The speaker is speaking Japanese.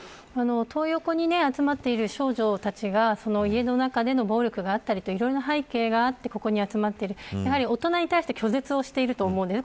トー横に集まっている少女たちが家の中での暴力があったりとかいろんな背景があってここに集まっているやはり大人に対して拒絶をしていると思うんです。